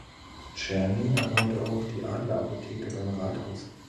Tscherning erbaute auch die Adler-Apotheke beim Rathaus.